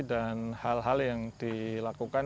dan hal hal yang dilakukan